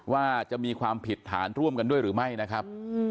ว่าจะมีความผิดฐานร่วมกันด้วยหรือไม่นะครับ